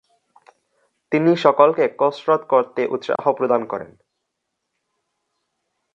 তিনি সকলকে কসরত করতে উৎসাহ প্রদান করেন।